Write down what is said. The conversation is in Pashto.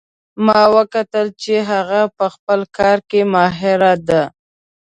ما وکتل چې هغه په خپل کار کې ماهر ده